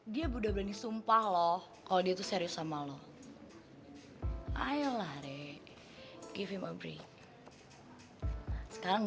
dia berani sumpah loh kalau dia tuh serius sama lo hai ayo lah re give him a break sekarang